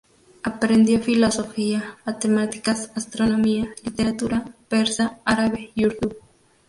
Aprendió filosofía, matemáticas, astronomía, literatura, persa, árabe y urdu.